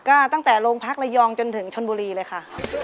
ก็ตั้งแต่โรงพักระยองจนถึงชนบุรีเลยค่ะ